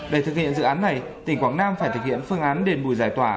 để thực hiện dự án này tỉnh quảng nam phải thực hiện phương án đền bù giải tỏa